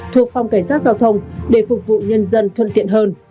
thuộc phòng cảnh sát giao thông để phục vụ nhân dân thuận tiện hơn